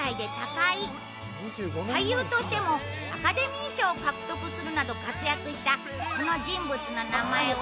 俳優としてもアカデミー賞を獲得するなど活躍したこの人物の名前は？